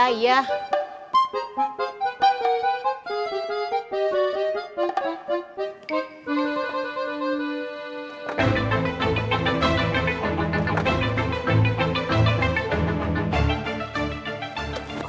minyaknya di dapur